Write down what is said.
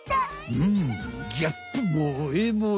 うんギャップもえもえ。